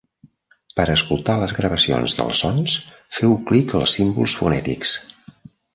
Per escoltar les gravacions dels sons, feu clic als símbols fonètics.